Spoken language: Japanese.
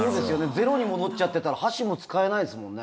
ゼロに戻っちゃってたら箸も使えないですもんね。